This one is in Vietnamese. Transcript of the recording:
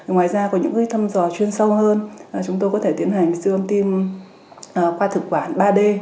ngoài ra có những thăm dò chuyên sâu hơn chúng tôi có thể tiến hành siêu âm tim qua thực quản ba d